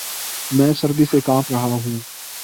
میں سردی سے کانپ رہا ہوں